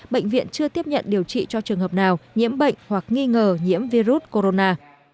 bệnh viện chưa tiếp nhận điều trị cho trường hợp nào nhiễm bệnh hoặc nghi ngờ nhiễm virus corona